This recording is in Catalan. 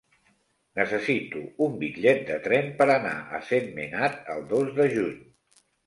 Necessito un bitllet de tren per anar a Sentmenat el dos de juny.